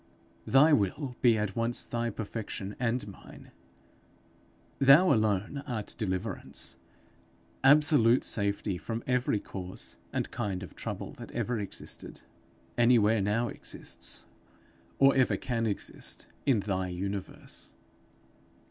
Thy will be at once thy perfection and mine. Thou alone art deliverance absolute safety from every cause and kind of trouble that ever existed, anywhere now exists, or ever can exist in thy universe.'